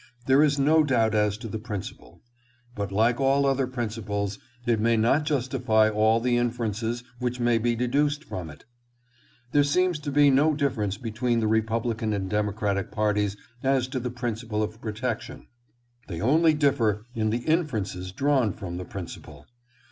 There is no doubt as to the principle, but like all other principles, it may not justify all the inferences which may be deduced from it. There seems to be no difference between the Republican and Democratic parties as to the principle of protection. They only differ in the inferences drawn from the principle.